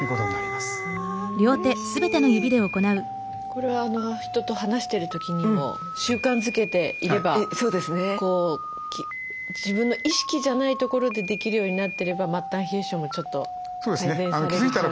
これは人と話してる時にも習慣づけていれば自分の意識じゃないところでできるようになってれば末端冷え性もちょっと改善される可能性はある。